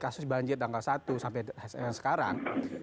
kasus banjir tanggal satu sampai yang sekarang